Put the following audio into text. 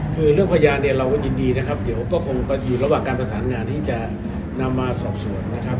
คือเรื่องพยานเนี่ยเราก็ยินดีนะครับเดี๋ยวก็คงอยู่ระหว่างการประสานงานที่จะนำมาสอบสวนนะครับ